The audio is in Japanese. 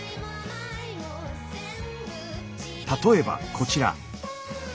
例えばこちら。